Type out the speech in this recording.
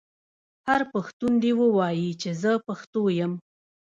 هر پښتون دې ووايي چې زه پښتو یم.